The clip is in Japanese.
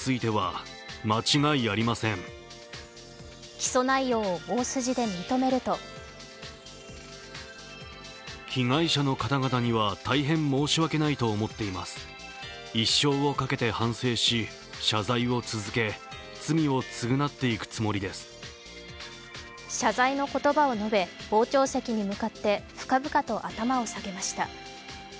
起訴内容を大筋で認めると謝罪の言葉を述べ、傍聴席に向かって深々と頭を下げました。